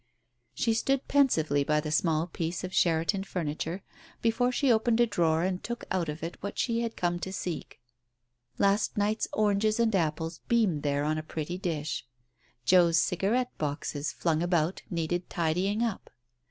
She stood pensively by the small piece of Sheraton Digitized by Google 40 TALES OF THE UNEASY furniture before she opened a drawer and took out of it what she had come to seek. Last night's oranges and apples beamed there on a pretty dish. Joe's cigarette boxes, flung about, needed tidying up.